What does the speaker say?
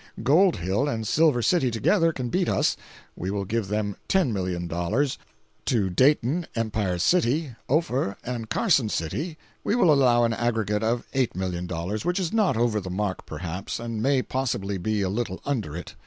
Gold Hill and Silver City together can beat us—we will give them $10,000,000. To Dayton, Empire City, Ophir and Carson City, we will allow an aggregate of $8,000,000, which is not over the mark, perhaps, and may possibly be a little under it.